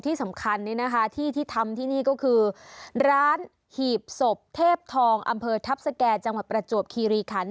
ที่สำคัญที่ที่ทำที่นี่ก็คือร้านหีบศพเทพทองอำเภอทัพสแก่จังหวัดประจวบคีรีคัน